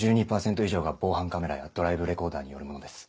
１２％以上が防犯カメラやドライブレコーダーによるものです。